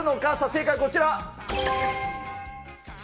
正解はこちら。